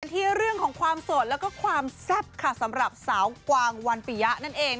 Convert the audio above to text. ที่เรื่องของความโสดแล้วก็ความแซ่บค่ะสำหรับสาวกวางวันปียะนั่นเอง